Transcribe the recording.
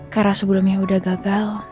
karena sebelumnya udah gagal